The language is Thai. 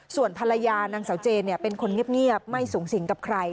ส่วนภรรยานางสาวเจนเป็นคนเงียบไม่สูงสิงกับใคร